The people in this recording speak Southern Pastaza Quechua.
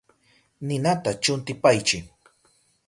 Ninata chuntipaychi.